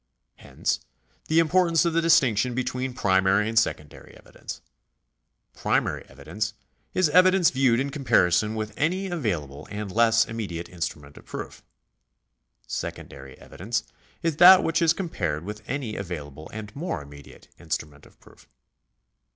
Hence the importance of the distinction between primary and secondary evidence. Primary evidence is evidence viewed in comparison with any available and less immediate instrument of proof. Secondary evidence is that which is compared with any available and more immediate instrument of proof.